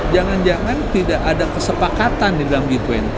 jangan jangan tidak ada kesepakatan di dalam g dua puluh